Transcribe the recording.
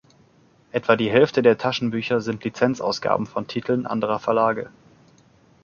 Etwa die Hälfte der Taschenbücher sind Lizenzausgaben von Titeln anderer Verlage.